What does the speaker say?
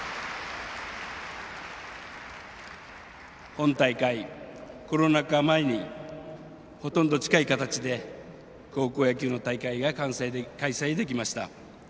本大会、コロナ禍前にほとんど近い形で高校野球の大会が開催できました。